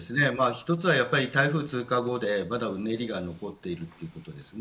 一つは、台風通過後で、まだうねりが残っているということ。